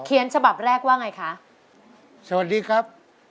เขียนสบับแรกว่าอย่างไรคะสวัสดีครับ